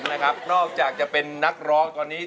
ถูกเก่งมากนะคุณหญิงคนนี้